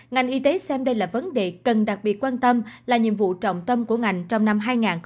ngành y tế xem đây là vấn đề cần đặc biệt quan tâm là nhiệm vụ trọng tâm của ngành trong năm hai nghìn hai mươi